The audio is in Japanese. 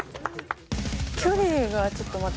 距離がちょっと待って。